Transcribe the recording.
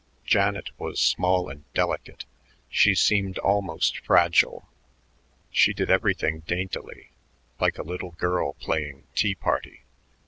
Janet was small and delicate; she seemed almost fragile. She did everything daintily like a little girl playing tea party.